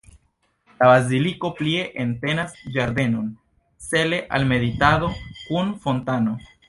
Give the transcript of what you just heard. La baziliko plie entenas ĝardenon, cele al meditado, kun fontano.